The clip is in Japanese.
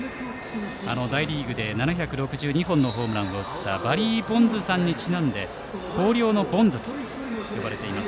大リーグで７６２本のホームランを打ったバリー・ボンズさんにちなんで広陵のボンズと呼ばれています。